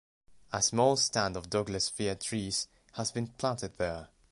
A small stand of Douglas-fir trees has been planted there.